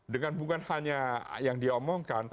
dengan bukan hanya yang dia omongkan